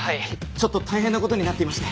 ちょっと大変な事になっていまして。